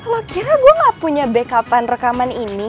lo kira gue gak punya backup an rekaman ini